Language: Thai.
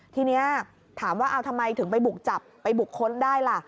ทีนี้ถามว่าเอาทำไมถึงไปบุกจับไปบุคคลได้ล่ะ